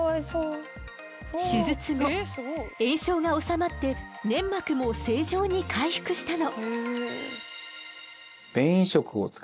手術後炎症が治まって粘膜も正常に回復したの。